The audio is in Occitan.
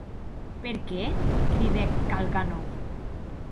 Per qué?, cridèc Kalganov.